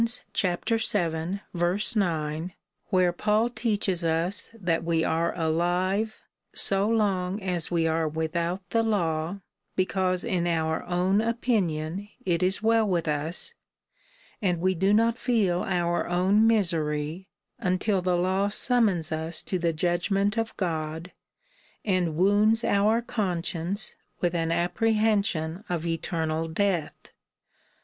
vii. 9, where Paul teaches us that we are alive, so long as we are without the law, because in our own opinion it is well with us, and we do not feel our own misery, until the law summons us to the judgment of God, and wounds our conscience with an appre hension of eternal death.